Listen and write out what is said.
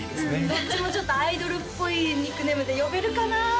どっちもちょっとアイドルっぽいニックネームで呼べるかな？